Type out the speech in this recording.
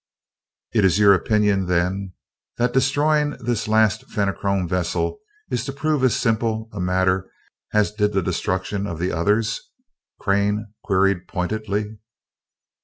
"It is your opinion, then, that destroying this last Fenachrone vessel is to prove as simple a matter as did the destruction of the others?" Crane queried, pointedly.